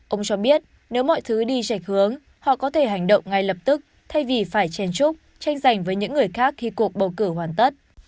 ông cho biết nếu mọi thứ đi trạch hướng họ có thể hành động ngay lập tức thay vì phải chen chúc tranh giành với những người khác khi cuộc bầu cử hoàn tất